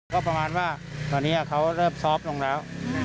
ก็ประมาณว่าตอนนี้เขาเริ่มซอฟต์ลงแล้ว